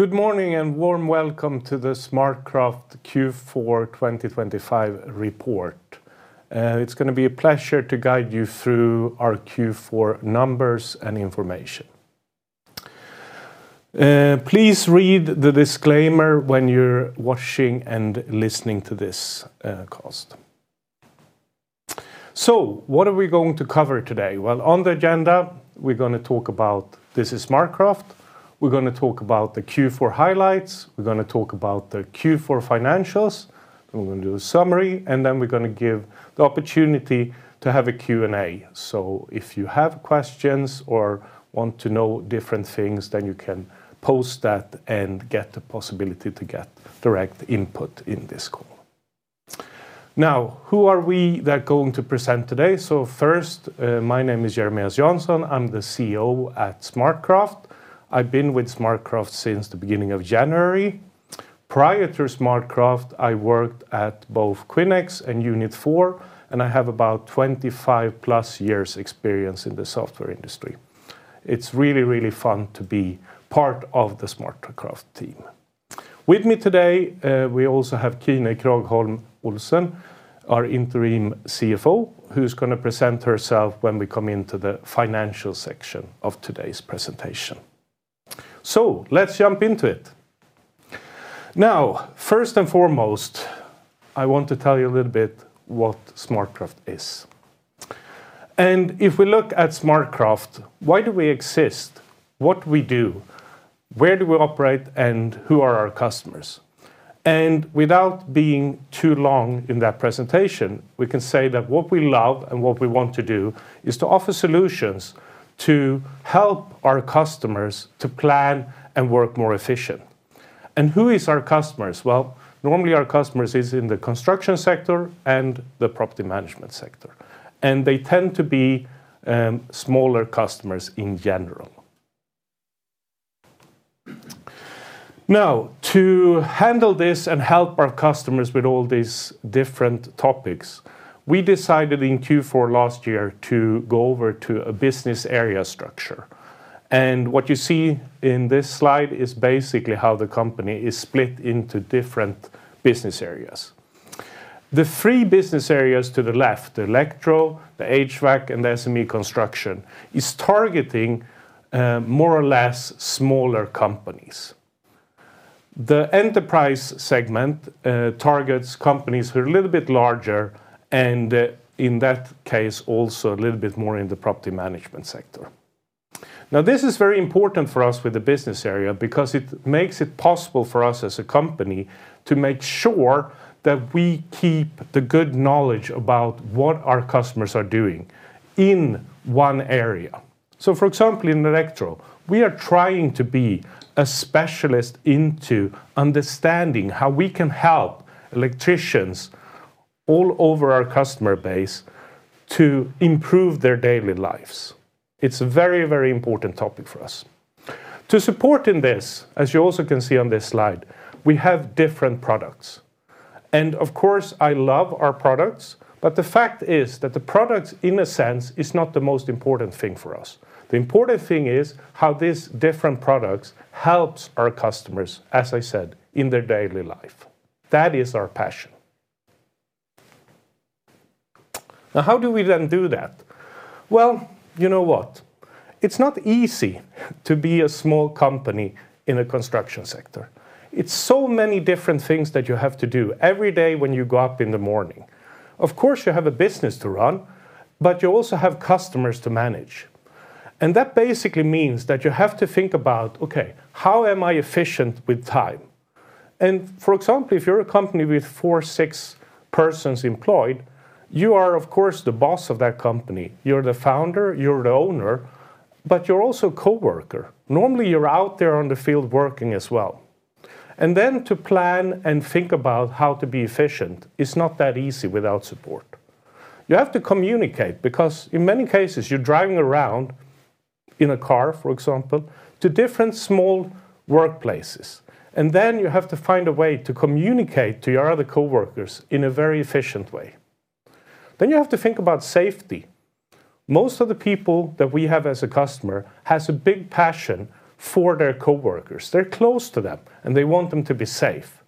Good morning, and warm welcome to the SmartCraft Q4 2025 report. It's gonna be a pleasure to guide you through our Q4 numbers and information. Please read the disclaimer when you're watching and listening to this cast. So what are we going to cover today? Well, on the agenda, we're gonna talk about This is SmartCraft. We're gonna talk about the Q4 highlights. We're gonna talk about the Q4 financials, and we're gonna do a summary, and then we're gonna give the opportunity to have a Q&A. So if you have questions or want to know different things, then you can post that and get the possibility to get direct input in this call. Now, who are we that going to present today? So first, my name is Jeremias Jansson. I'm the CEO at SmartCraft. I've been with SmartCraft since the beginning of January. Prior to SmartCraft, I worked at both Quinyx and Unit4, and I have about 25+ years experience in the software industry. It's really, really fun to be part of the SmartCraft team. With me today, we also have Kine Kragholm Olsen, our interim CFO, who's gonna present herself when we come into the financial section of today's presentation. So let's jump into it. Now, first and foremost, I want to tell you a little bit what SmartCraft is. And if we look at SmartCraft, why do we exist? What do we do? Where do we operate, and who are our customers? And without being too long in that presentation, we can say that what we love and what we want to do is to offer solutions to help our customers to plan and work more efficient. And who is our customers? Well, normally, our customers is in the construction sector and the property management sector, and they tend to be smaller customers in general. Now, to handle this and help our customers with all these different topics, we decided in Q4 last year to go over to a business area structure. What you see in this slide is basically how the company is split into different business areas. The three business areas to the left, the Electro, the HVAC, and the SME Construction, is targeting more or less smaller companies. The Enterprise segment targets companies who are a little bit larger, and in that case, also a little bit more in the property management sector. Now, this is very important for us with the business area because it makes it possible for us as a company to make sure that we keep the good knowledge about what our customers are doing in one area. So, for example, in Electro, we are trying to be a specialist into understanding how we can help electricians all over our customer base to improve their daily lives. It's a very, very important topic for us. To support in this, as you also can see on this slide, we have different products, and of course, I love our products, but the fact is that the products, in a sense, is not the most important thing for us. The important thing is how these different products helps our customers, as I said, in their daily life. That is our passion. Now, how do we then do that? Well, you know what? It's not easy to be a small company in a construction sector. It's so many different things that you have to do every day when you go up in the morning. Of course, you have a business to run, but you also have customers to manage, and that basically means that you have to think about, "Okay, how am I efficient with time?" And, for example, if you're a company with 4, 6 persons employed, you are, of course, the boss of that company. You're the founder, you're the owner, but you're also coworker. Normally, you're out there on the field working as well. And then to plan and think about how to be efficient is not that easy without support. You have to communicate because, in many cases, you're driving around in a car, for example, to different small workplaces, and then you have to find a way to communicate to your other coworkers in a very efficient way. Then you have to think about safety. Most of the people that we have as a customer has a big passion for their coworkers. They're close to them, and they want them to be safe.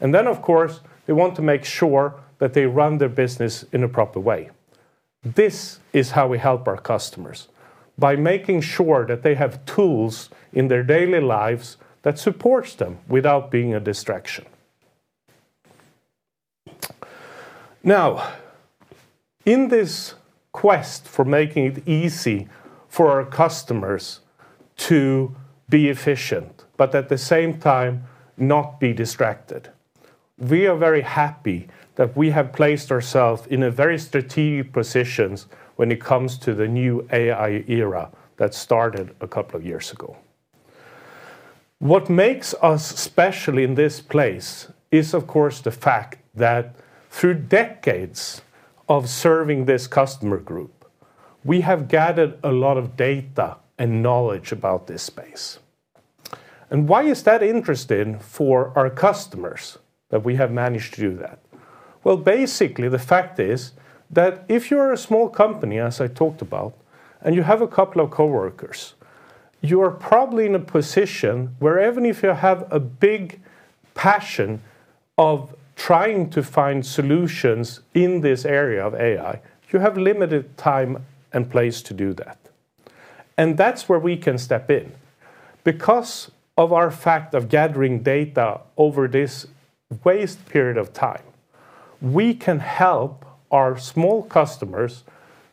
And then, of course, they want to make sure that they run their business in a proper way. This is how we help our customers, by making sure that they have tools in their daily lives that supports them without being a distraction. Now, in this quest for making it easy for our customers to be efficient but at the same time not be distracted, we are very happy that we have placed ourselves in a very strategic positions when it comes to the new AI era that started a couple of years ago. What makes us special in this place is, of course, the fact that through decades of serving this customer group, we have gathered a lot of data and knowledge about this space. Why is that interesting for our customers that we have managed to do that?... Well, basically, the fact is that if you're a small company, as I talked about, and you have a couple of coworkers, you are probably in a position where even if you have a big passion of trying to find solutions in this area of AI, you have limited time and place to do that, and that's where we can step in. Because of our fact of gathering data over this vast period of time, we can help our small customers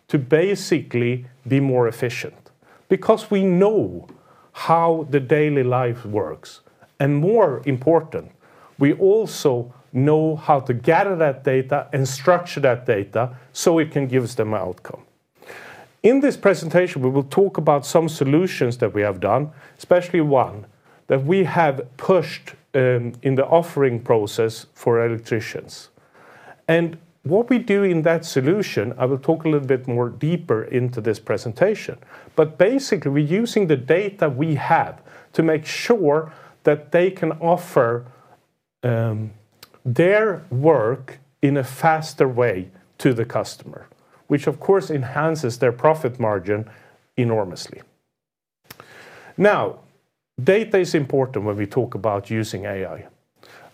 to basically be more efficient because we know how the daily life works, and more important, we also know how to gather that data and structure that data, so it can give them the outcome. In this presentation, we will talk about some solutions that we have done, especially one that we have pushed in the offering process for electricians. What we do in that solution, I will talk a little bit more deeper into this presentation, but basically, we're using the data we have to make sure that they can offer their work in a faster way to the customer, which of course, enhances their profit margin enormously. Now, data is important when we talk about using AI.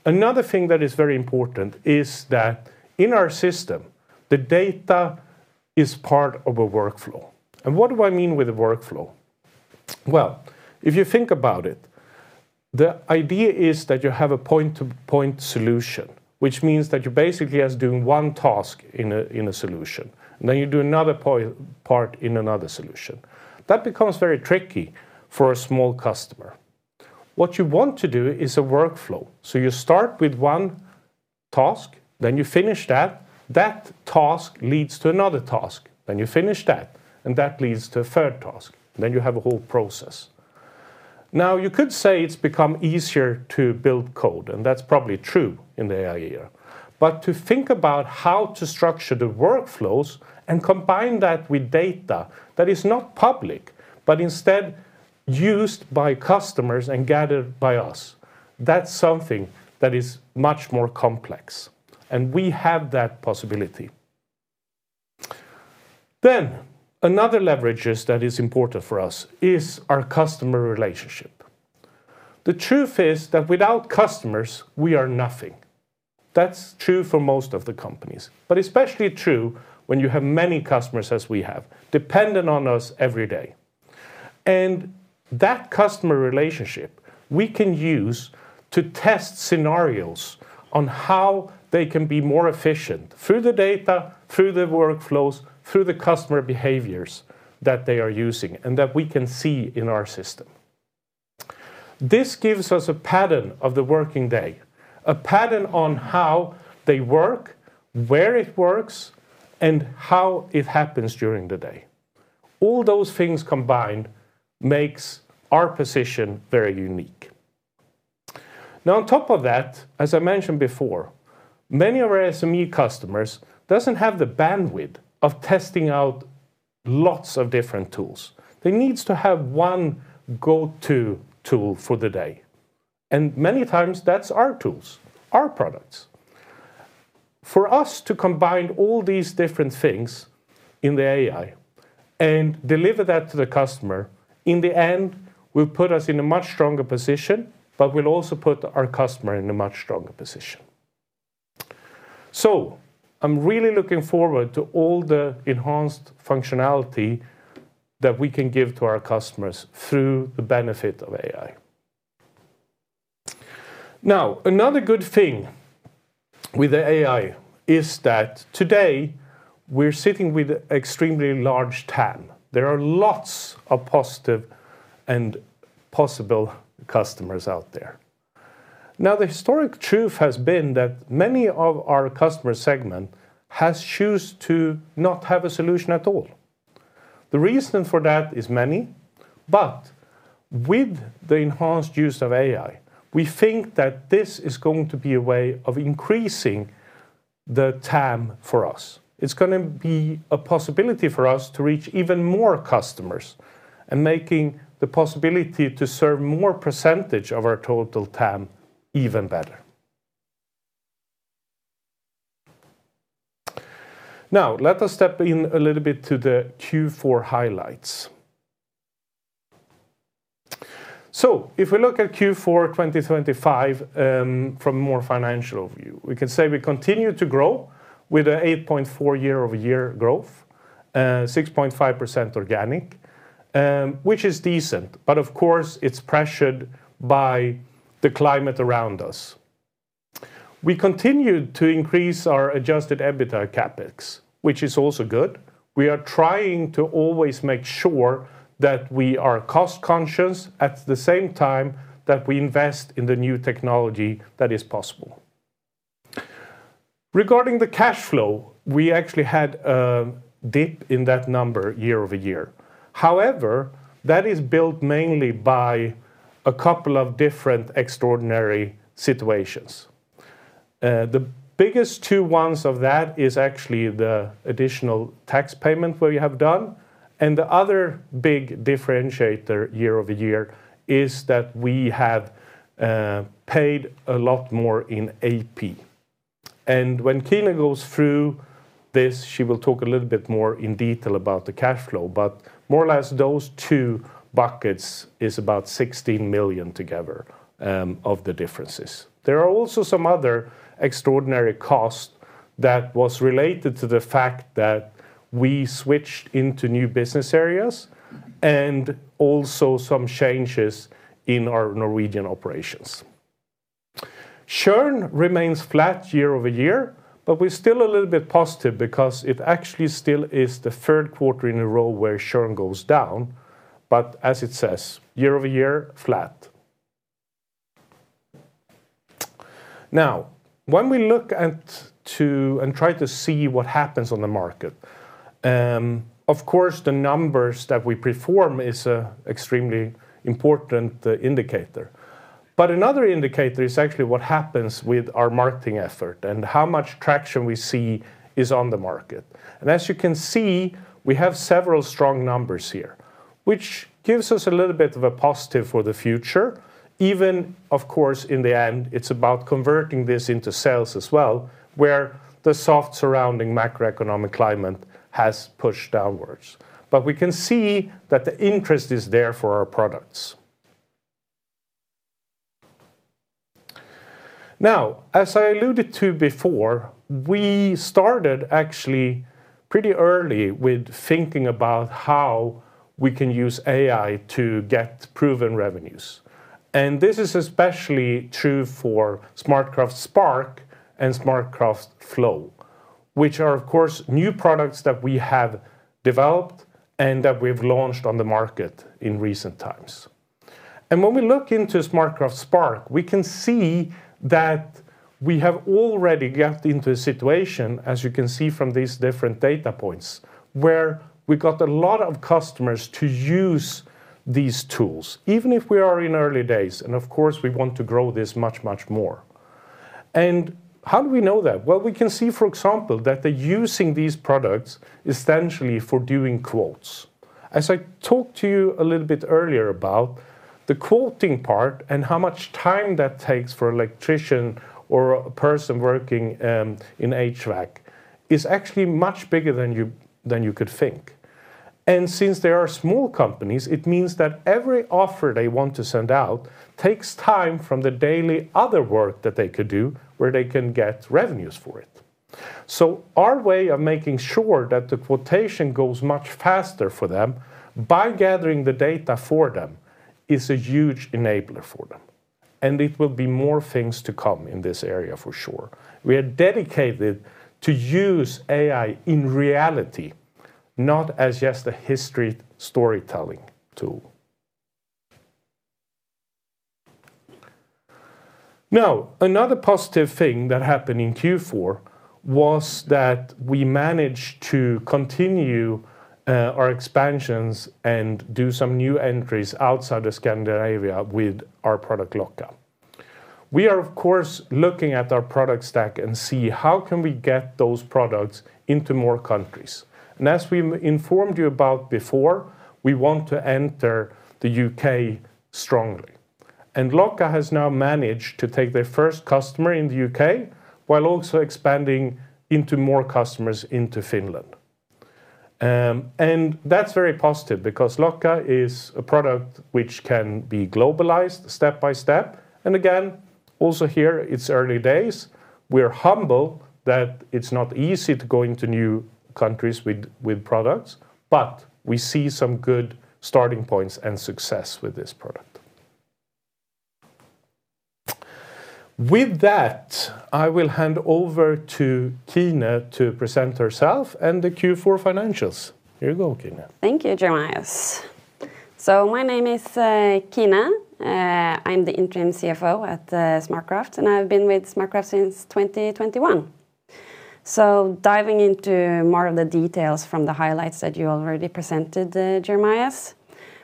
Another thing that is very important is that in our system, the data is part of a workflow. What do I mean with a workflow? Well, if you think about it, the idea is that you have a point-to-point solution, which means that you're basically just doing one task in a solution, and then you do another part in another solution. That becomes very tricky for a small customer. What you want to do is a workflow. So you start with one task, then you finish that. That task leads to another task, then you finish that, and that leads to a third task, then you have a whole process. Now, you could say it's become easier to build code, and that's probably true in the AI era. But to think about how to structure the workflows and combine that with data that is not public, but instead used by customers and gathered by us, that's something that is much more complex, and we have that possibility. Then, another leverage that is important for us is our customer relationship. The truth is that without customers, we are nothing. That's true for most of the companies, but especially true when you have many customers, as we have, dependent on us every day. And that customer relationship we can use to test scenarios on how they can be more efficient through the data, through the workflows, through the customer behaviors that they are using, and that we can see in our system. This gives us a pattern of the working day, a pattern on how they work, where it works, and how it happens during the day. All those things combined makes our position very unique. Now, on top of that, as I mentioned before, many of our SME customers doesn't have the bandwidth of testing out lots of different tools. They needs to have one go-to tool for the day, and many times that's our tools, our products. For us to combine all these different things in the AI and deliver that to the customer, in the end, will put us in a much stronger position, but will also put our customer in a much stronger position. So I'm really looking forward to all the enhanced functionality that we can give to our customers through the benefit of AI. Now, another good thing with the AI is that today we're sitting with extremely large TAM. There are lots of positive and possible customers out there. Now, the historic truth has been that many of our customer segment has choose to not have a solution at all. The reason for that is many, but with the enhanced use of AI, we think that this is going to be a way of increasing the TAM for us. It's gonna be a possibility for us to reach even more customers and making the possibility to serve more percentage of our total TAM even better. Now, let us step in a little bit to the Q4 highlights. So if we look at Q4 2025, from a more financial view, we can say we continue to grow with 8.4 year-over-year growth, 6.5% organic, which is decent, but of course, it's pressured by the climate around us. We continued to increase our adjusted EBITDA CapEx, which is also good. We are trying to always make sure that we are cost-conscious, at the same time, that we invest in the new technology that is possible. Regarding the cash flow, we actually had a dip in that number year-over-year. However, that is built mainly by a couple of different extraordinary situations. The biggest two ones of that is actually the additional tax payment where we have done. And the other big differentiator year-over-year is that we have paid a lot more in AP. And when Kine goes through this, she will talk a little bit more in detail about the cash flow, but more or less, those two buckets is about 16 million together of the differences. There are also some other extraordinary costs that was related to the fact that we switched into new business areas, and also some changes in our Norwegian operations. Churn remains flat year-over-year, but we're still a little bit positive because it actually still is the third quarter in a row where churn goes down. But as it says, year-over-year, flat. Now, when we look at too and try to see what happens on the market, of course, the numbers that we perform is an extremely important indicator. But another indicator is actually what happens with our marketing effort and how much traction we see is on the market. And as you can see, we have several strong numbers here, which gives us a little bit of a positive for the future. Even, of course, in the end, it's about converting this into sales as well, where the soft surrounding macroeconomic climate has pushed downwards. But we can see that the interest is there for our products. Now, as I alluded to before, we started actually pretty early with thinking about how we can use AI to get proven revenues, and this is especially true for SmartCraft Spark and SmartCraft Flow, which are, of course, new products that we have developed and that we've launched on the market in recent times. When we look into SmartCraft Spark, we can see that we have already got into a situation, as you can see from these different data points, where we got a lot of customers to use these tools. Even if we are in early days, and of course, we want to grow this much, much more. How do we know that? Well, we can see, for example, that they're using these products essentially for doing quotes. As I talked to you a little bit earlier about the quoting part and how much time that takes for an electrician or a person working in HVAC is actually much bigger than you could think. And since they are small companies, it means that every offer they want to send out takes time from the daily other work that they could do, where they can get revenues for it. So our way of making sure that the quotation goes much faster for them by gathering the data for them is a huge enabler for them, and it will be more things to come in this area for sure. We are dedicated to use AI in reality, not as just a history storytelling tool. Now, another positive thing that happened in Q4 was that we managed to continue our expansions and do some new entries outside of Scandinavia with our product, Locka. We are, of course, looking at our product stack and see how can we get those products into more countries. And as we informed you about before, we want to enter the UK strongly. And Locka has now managed to take their first customer in the UK, while also expanding into more customers into Finland. And that's very positive because Locka is a product which can be globalized step by step. And again, also here, it's early days. We're humble that it's not easy to go into new countries with products, but we see some good starting points and success with this product. With that, I will hand over to Kine to present herself and the Q4 financials. Here you go, Kine. Thank you, Jeremias. So my name is Kine. I'm the interim CFO at SmartCraft, and I've been with SmartCraft since 2021. So diving into more of the details from the highlights that you already presented, Jeremias,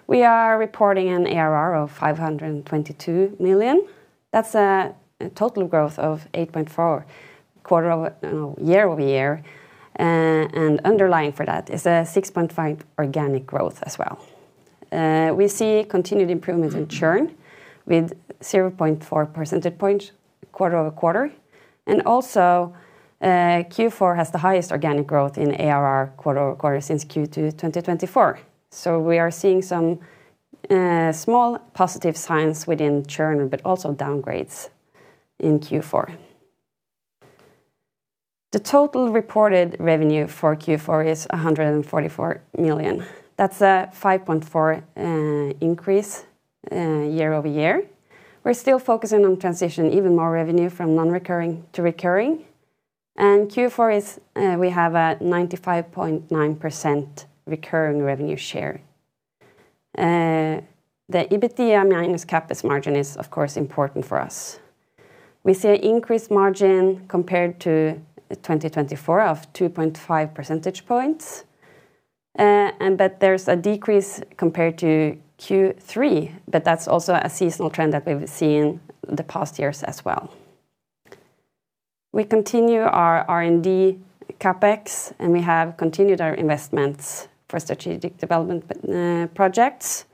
we are reporting an ARR of 522 million. That's a total growth of 8.4% year-over-year, and underlying for that is a 6.5% organic growth as well. We see continued improvement in churn with 0.4 percentage point, quarter-over-quarter, and also, Q4 has the highest organic growth in ARR quarter-over-quarter since Q2 2024. So we are seeing some small positive signs within churn, but also downgrades in Q4. The total reported revenue for Q4 is 144 million. That's a 5.4 increase year-over-year. We're still focusing on transitioning even more revenue from non-recurring to recurring, and Q4 is, we have a 95.9% recurring revenue share. The EBITDA minus CapEx margin is, of course, important for us. We see an increased margin compared to 2024 of 2.5 percentage points, and but there's a decrease compared to Q3, but that's also a seasonal trend that we've seen the past years as well.... We continue our R&D CapEx, and we have continued our investments for strategic development projects.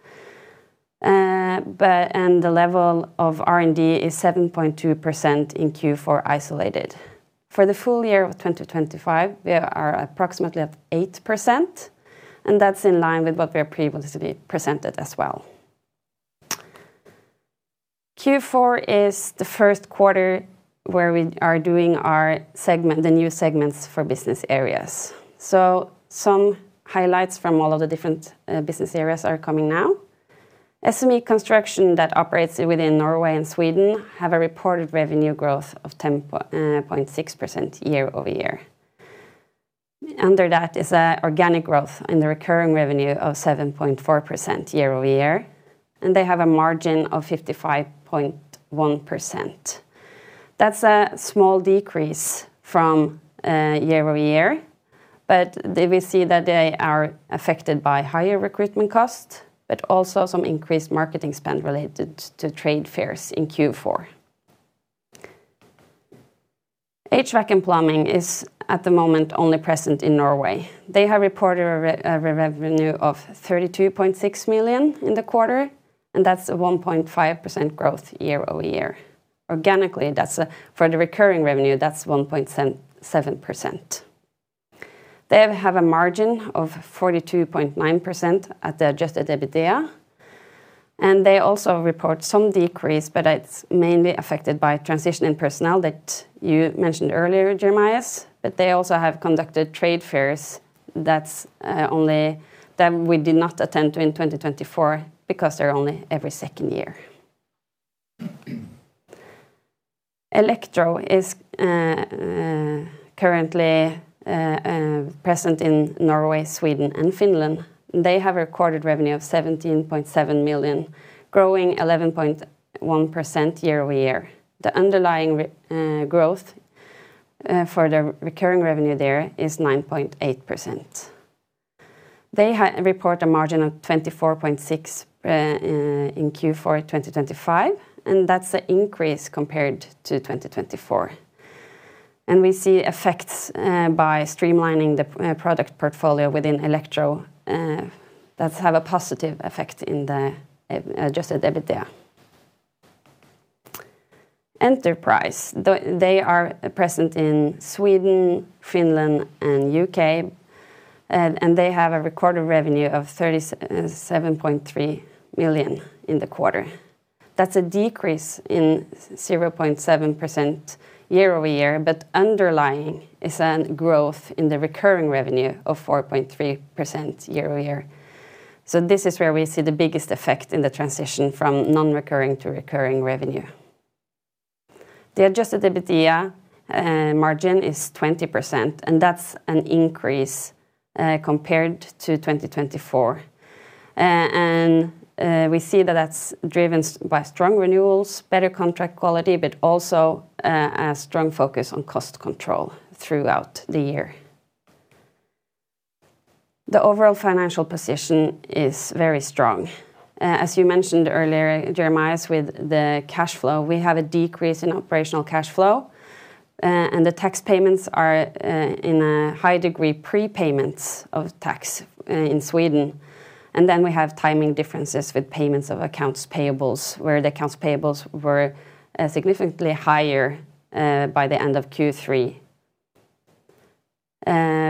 But, and the level of R&D is 7.2% in Q4 isolated. For the full year of 2025, we are approximately at 8%, and that's in line with what we previously presented as well. Q4 is the first quarter where we are doing our segment, the new segments for business areas. Some highlights from all of the different business areas are coming now. SME Construction that operates within Norway and Sweden have a reported revenue growth of 10.6% year-over-year. Under that is a organic growth in the recurring revenue of 7.4% year-over-year, and they have a margin of 55.1%. That's a small decrease from year-over-year, but they will see that they are affected by higher recruitment costs, but also some increased marketing spend related to trade fairs in Q4. HVAC and Plumbing is, at the moment, only present in Norway. They have reported a revenue of 32.6 million in the quarter, and that's a 1.5% growth year-over-year. Organically, that's for the recurring revenue, that's 1.7%. They have a margin of 42.9% at the adjusted EBITDA, and they also report some decrease, but it's mainly affected by transition in personnel that you mentioned earlier, Jeremias, but they also have conducted trade fairs that's only that we did not attend to in 2024 because they're only every second year. Electro is currently present in Norway, Sweden, and Finland. They have recorded revenue of 17.7 million, growing 11.1% year-over-year. The underlying growth for the recurring revenue there is 9.8%. They report a margin of 24.6 in Q4 2025, and that's an increase compared to 2024. We see effects by streamlining the product portfolio within Electro that have a positive effect in the adjusted EBITDA. Enterprise, they are present in Sweden, Finland, and UK, and they have a recorded revenue of 37.3 million in the quarter. That's a decrease in 0.7% year-over-year, but underlying is an growth in the recurring revenue of 4.3% year-over-year. So this is where we see the biggest effect in the transition from non-recurring to recurring revenue. The adjusted EBITDA margin is 20%, and that's an increase compared to 2024. We see that that's driven by strong renewals, better contract quality, but also a strong focus on cost control throughout the year. The overall financial position is very strong. As you mentioned earlier, Jeremias, with the cash flow, we have a decrease in operational cash flow, and the tax payments are in a high degree, prepayments of tax in Sweden. And then we have timing differences with payments of accounts payables, where the accounts payables were significantly higher by the end of Q3.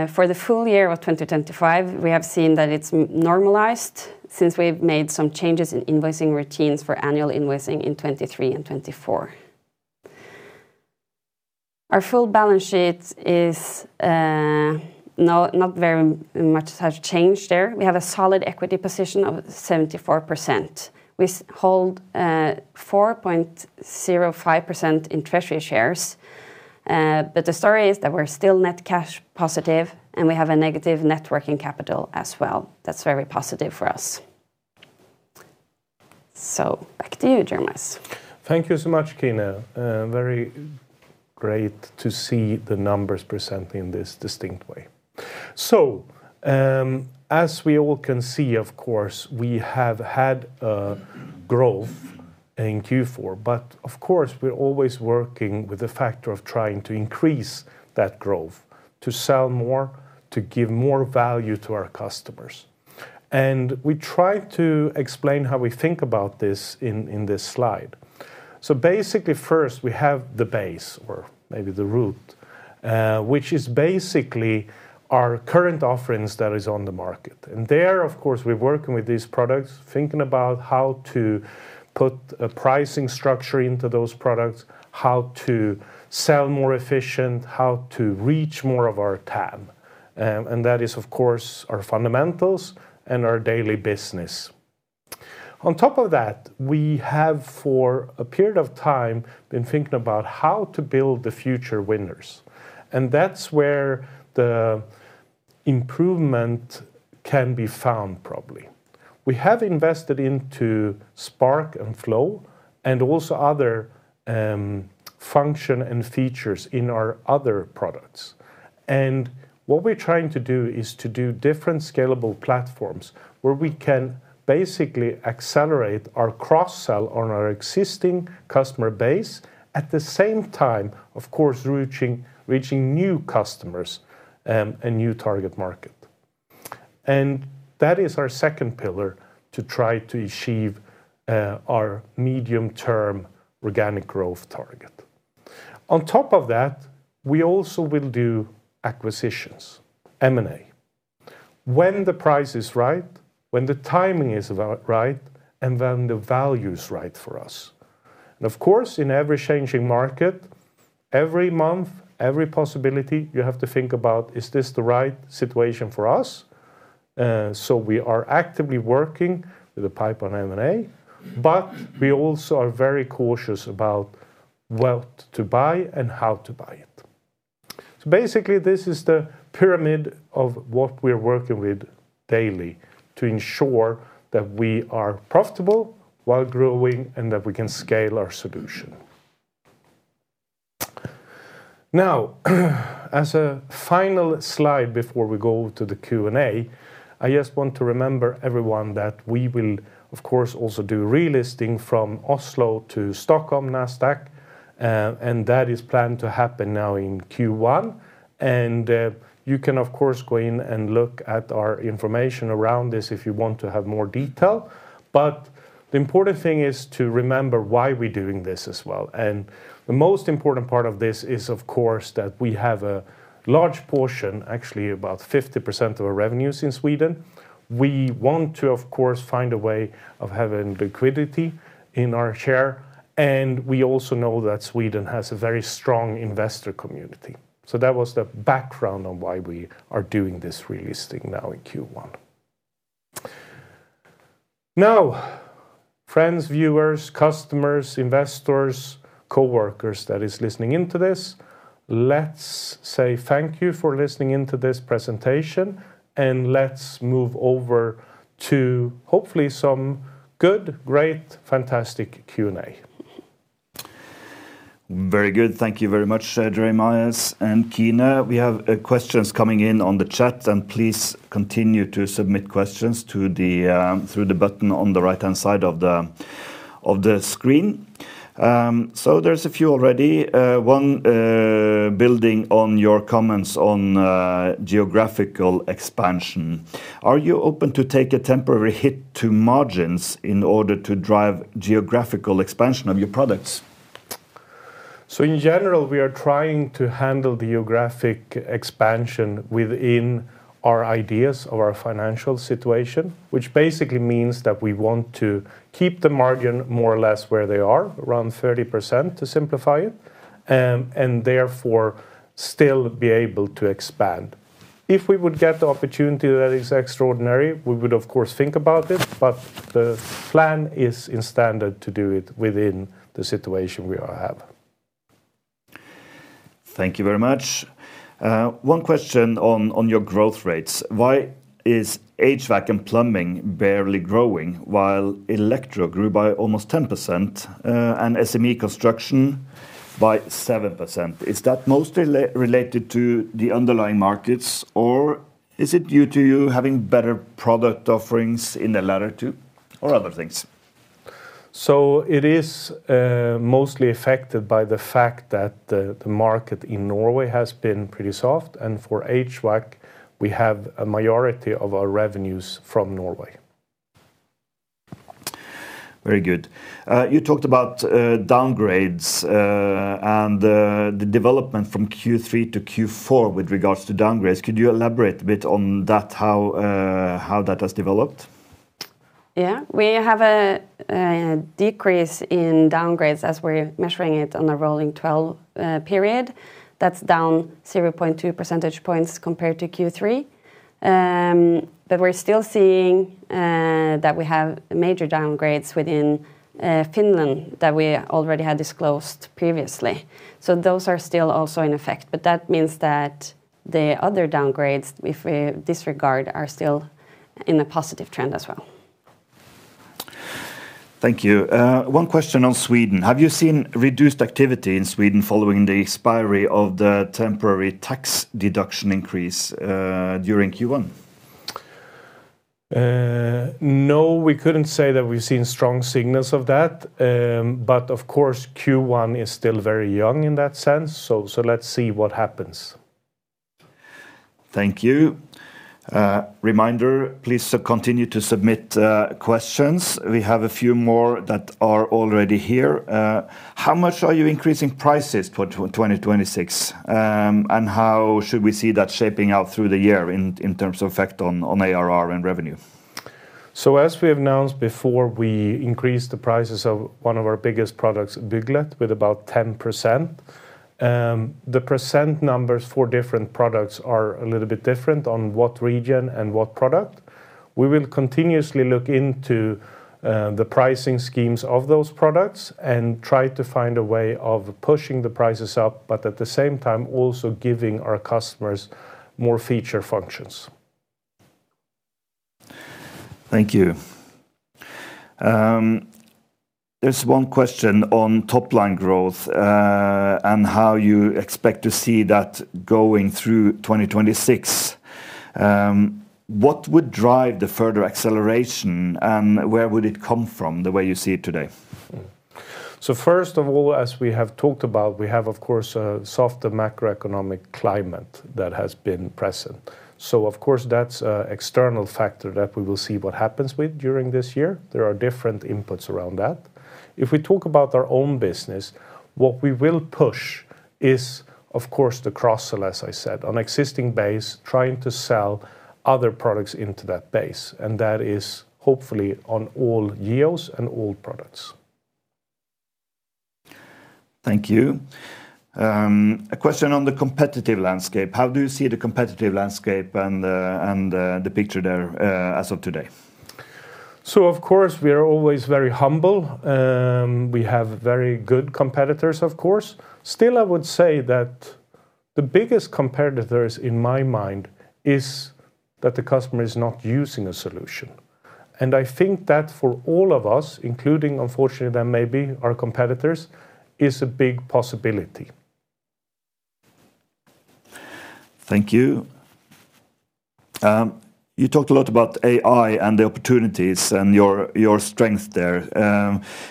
For the full year of 2025, we have seen that it's normalized since we've made some changes in invoicing routines for annual invoicing in 2023 and 2024. Our full balance sheet is not very much has changed there. We have a solid equity position of 74%. We hold 4.05% in treasury shares, but the story is that we're still net cash positive, and we have a negative net working capital as well. That's very positive for us. Back to you, Jeremias. Thank you so much, Kine. Very great to see the numbers presented in this distinct way. So, as we all can see, of course, we have had growth in Q4, but of course, we're always working with the factor of trying to increase that growth, to sell more, to give more value to our customers. And we try to explain how we think about this in this slide. So basically, first, we have the base, or maybe the root, which is basically our current offerings that is on the market. And there, of course, we're working with these products, thinking about how to put a pricing structure into those products, how to sell more efficient, how to reach more of our TAM. And that is, of course, our fundamentals and our daily business. On top of that, we have, for a period of time, been thinking about how to build the future winners, and that's where the improvement can be found, probably. We have invested into Spark and Flow and also other function and features in our other products. What we're trying to do is to do different scalable platforms, where we can basically accelerate our cross-sell on our existing customer base, at the same time, of course, reaching, reaching new customers, and new target market, and that is our second pillar to try to achieve our medium-term organic growth target. On top of that, we also will do acquisitions, M&A, when the price is right, when the timing is about right, and when the value is right for us. Of course, in every changing market, every month, every possibility, you have to think about: Is this the right situation for us? So we are actively working with the pipeline on M&A, but we also are very cautious about what to buy and how to buy it. So basically, this is the pyramid of what we're working with daily to ensure that we are profitable while growing and that we can scale our solution. Now, as a final slide before we go to the Q&A, I just want to remember everyone that we will, of course, also do relisting from Oslo to Stockholm, Nasdaq, and that is planned to happen now in Q1. You can, of course, go in and look at our information around this if you want to have more detail. But the important thing is to remember why we're doing this as well, and the most important part of this is, of course, that we have a large portion, actually about 50% of our revenues in Sweden. We want to, of course, find a way of having liquidity in our share, and we also know that Sweden has a very strong investor community. So that was the background on why we are doing this relisting now in Q1. Now, friends, viewers, customers, investors, coworkers that is listening in to this, let's say thank you for listening in to this presentation, and let's move over to hopefully some good, great, fantastic Q&A. Very good. Thank you very much, Jeremias and Kine. We have questions coming in on the chat, and please continue to submit questions through the button on the right-hand side of the screen. So there's a few already. One, building on your comments on geographical expansion: Are you open to take a temporary hit to margins in order to drive geographical expansion of your products? So in general, we are trying to handle the geographic expansion within our ideas of our financial situation, which basically means that we want to keep the margin more or less where they are, around 30%, to simplify it, and therefore still be able to expand. If we would get the opportunity that is extraordinary, we would of course think about it, but the plan is in standard to do it within the situation we all have. Thank you very much. One question on, on your growth rates: Why is HVAC and Plumbing barely growing, while electro grew by almost 10%, and SME Construction by 7%? Is that mostly re-related to the underlying markets, or is it due to you having better product offerings in the latter two or other things? It is mostly affected by the fact that the market in Norway has been pretty soft, and for HVAC, we have a majority of our revenues from Norway. Very good. You talked about downgrades, and the development from Q3 to Q4 with regards to downgrades. Could you elaborate a bit on that, how that has developed? Yeah. We have a decrease in downgrades as we're measuring it on a rolling twelve period. That's down 0.2 percentage points compared to Q3. But we're still seeing that we have major downgrades within Finland that we already had disclosed previously. So those are still also in effect, but that means that the other downgrades, if we disregard, are still in a positive trend as well. Thank you. One question on Sweden: Have you seen reduced activity in Sweden following the expiry of the temporary tax deduction increase during Q1? No, we couldn't say that we've seen strong signals of that, but of course, Q1 is still very young in that sense, so let's see what happens. Thank you. Reminder, please continue to submit questions. We have a few more that are already here. How much are you increasing prices for 2026, and how should we see that shaping out through the year in terms of effect on ARR and revenue? So as we have announced before, we increased the prices of one of our biggest products, Bygglet, with about 10%. The percent numbers for different products are a little bit different on what region and what product. We will continuously look into the pricing schemes of those products and try to find a way of pushing the prices up, but at the same time, also giving our customers more feature functions. Thank you. There's one question on top-line growth, and how you expect to see that going through 2026. What would drive the further acceleration, and where would it come from, the way you see it today?... So first of all, as we have talked about, we have, of course, a softer macroeconomic climate that has been present. So of course, that's an external factor that we will see what happens with during this year. There are different inputs around that. If we talk about our own business, what we will push is, of course, the cross-sell, as I said, on existing base, trying to sell other products into that base, and that is hopefully on all geos and all products. Thank you. A question on the competitive landscape. How do you see the competitive landscape and the picture there, as of today? So of course, we are always very humble. We have very good competitors, of course. Still, I would say that the biggest competitors in my mind is that the customer is not using a solution. And I think that for all of us, including, unfortunately, there may be our competitors, is a big possibility. Thank you. You talked a lot about AI and the opportunities and your, your strength there.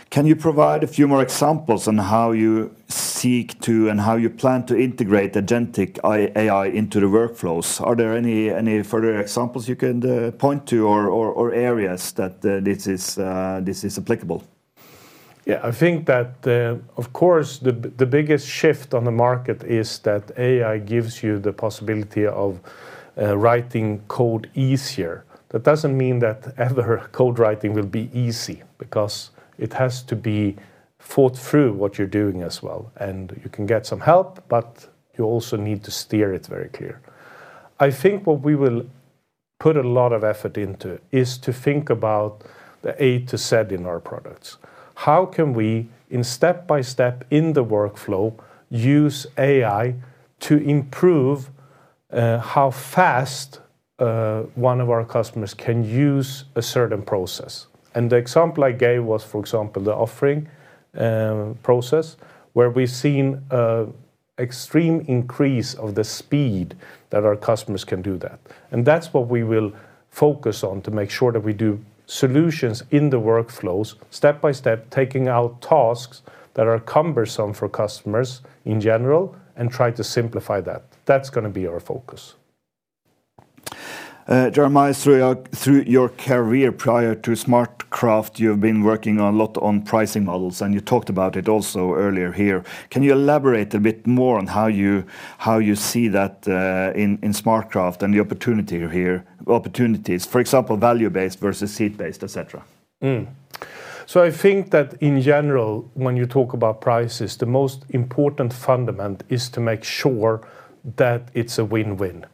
Can you provide a few more examples on how you seek to and how you plan to integrate agentic AI into the workflows? Are there any, any further examples you can point to or, or, or areas that this is applicable? Yeah, I think that, of course, the biggest shift on the market is that AI gives you the possibility of writing code easier. That doesn't mean that other code writing will be easy, because it has to be thought through what you're doing as well, and you can get some help, but you also need to steer it very clear. I think what we will put a lot of effort into is to think about the A to Z in our products. How can we, in step-by-step in the workflow, use AI to improve how fast one of our customers can use a certain process? And the example I gave was, for example, the offering process, where we've seen an extreme increase of the speed that our customers can do that. That's what we will focus on to make sure that we do solutions in the workflows, step by step, taking out tasks that are cumbersome for customers in general, and try to simplify that. That's gonna be our focus. Jeremias, through your career prior to SmartCraft, you've been working a lot on pricing models, and you talked about it also earlier here. Can you elaborate a bit more on how you see that in SmartCraft and the opportunities, for example, value-based versus seat-based, et cetera? So I think that, in general, when you talk about prices, the most important fundamental is to make sure that it's a win-win.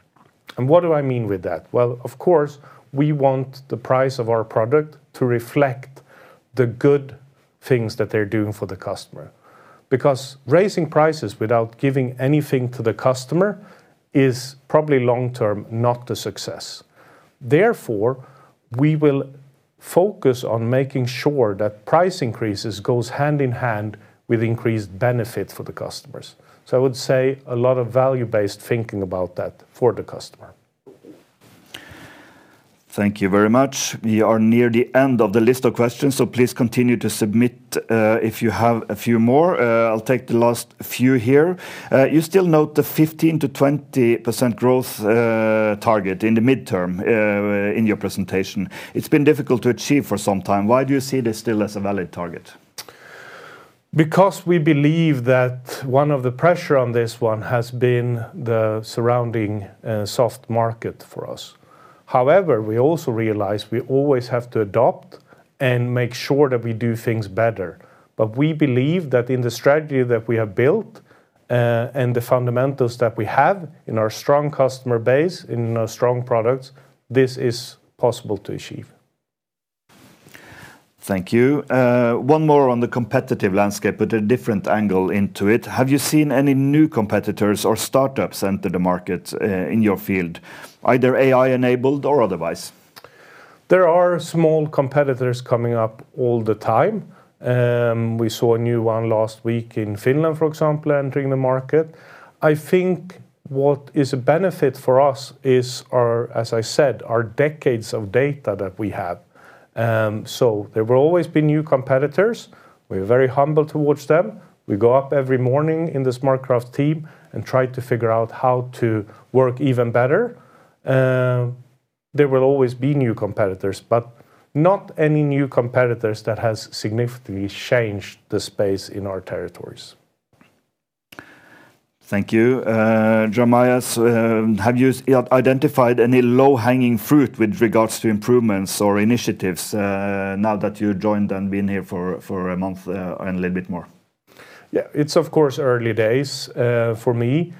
And what do I mean with that? Well, of course, we want the price of our product to reflect the good things that they're doing for the customer, because raising prices without giving anything to the customer is probably long term, not a success. Therefore, we will focus on making sure that price increases goes hand in hand with increased benefit for the customers. So I would say a lot of value-based thinking about that for the customer. Thank you very much. We are near the end of the list of questions, so please continue to submit, if you have a few more. I'll take the last few here. You still note the 15%-20% growth target in the midterm, in your presentation. It's been difficult to achieve for some time. Why do you see this still as a valid target? Because we believe that one of the pressure on this one has been the surrounding, soft market for us. However, we also realize we always have to adopt and make sure that we do things better. But we believe that in the strategy that we have built, and the fundamentals that we have in our strong customer base, in our strong products, this is possible to achieve. Thank you. One more on the competitive landscape, but a different angle into it. Have you seen any new competitors or startups enter the market in your field, either AI-enabled or otherwise? There are small competitors coming up all the time. We saw a new one last week in Finland, for example, entering the market. I think what is a benefit for us is our, as I said, our decades of data that we have. So there will always be new competitors. We're very humble towards them. We go up every morning in the SmartCraft team and try to figure out how to work even better. There will always be new competitors, but not any new competitors that has significantly changed the space in our territories. Thank you. Jeremias, have you identified any low-hanging fruit with regards to improvements or initiatives, now that you joined and been here for a month, and a little bit more? Yeah. It's, of course, early days for me,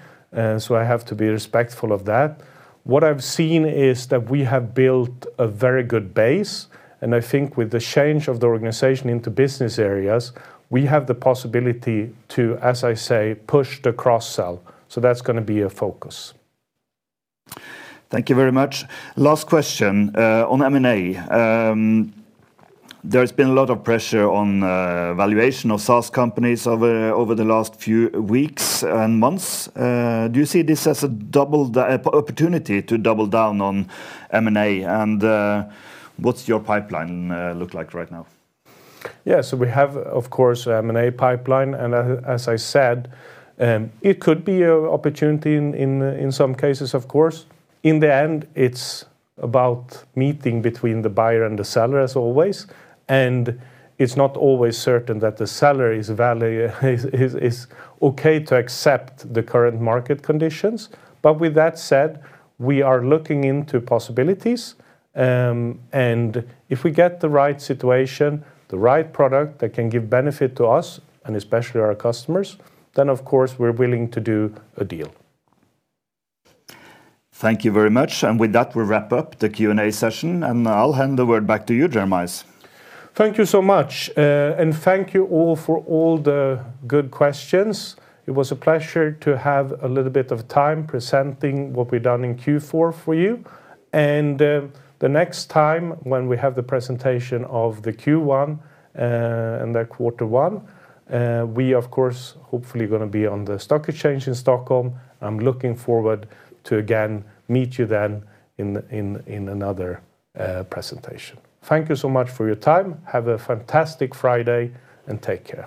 so I have to be respectful of that. What I've seen is that we have built a very good base, and I think with the change of the organization into business areas, we have the possibility to, as I say, push the cross-sell. So that's gonna be a focus. Thank you very much. Last question on M&A. There's been a lot of pressure on valuation of SaaS companies over the last few weeks and months. Do you see this as an opportunity to double down on M&A, and what's your pipeline look like right now? Yeah. So we have, of course, M&A pipeline, and as I said, it could be a opportunity in some cases, of course. In the end, it's about meeting between the buyer and the seller, as always, and it's not always certain that the seller is okay to accept the current market conditions. But with that said, we are looking into possibilities, and if we get the right situation, the right product that can give benefit to us and especially our customers, then, of course, we're willing to do a deal. Thank you very much. With that, we'll wrap up the Q&A session, and I'll hand the word back to you, Jeremias. Thank you so much, and thank you all for all the good questions. It was a pleasure to have a little bit of time presenting what we've done in Q4 for you. The next time, when we have the presentation of the Q1, and the quarter one, we, of course, hopefully, gonna be on the stock exchange in Stockholm. I'm looking forward to again meet you then in another presentation. Thank you so much for your time. Have a fantastic Friday, and take care.